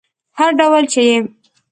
هر ډول چې یې